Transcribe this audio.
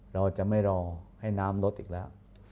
เราจะไม่รอให้น้ำลดอีกแล้ว